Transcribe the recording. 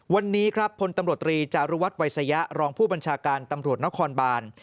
วันนี้ครับพลตำรวจตรีจารุวัฒนวัยสยะรองผู้บัญชาการตำรวจนครบาน